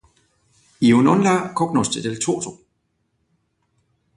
Io non la cognosce del toto.